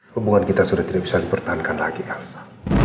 hubungan kita sudah tidak bisa dipertahankan lagi arsa